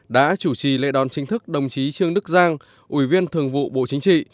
đã chủ trì lễ đón chính thức đồng chí trương đức giang ủy viên thường vụ bộ chính trị